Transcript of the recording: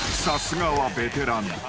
［さすがはベテラン］